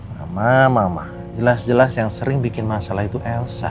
mama mama jelas jelas yang sering bikin masalah itu elsa